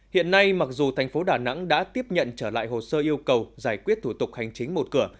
hiện nay mặc dù thành phố đà nẵng đã tiếp nhận trở lại hồ sơ yêu cầu giải quyết thủ tục hành chính một cửa